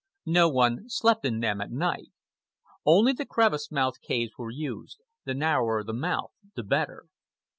No one slept in them at night. Only the crevice mouthed caves were used, the narrower the mouth the better.